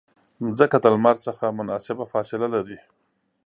مځکه د لمر څخه مناسبه فاصله لري.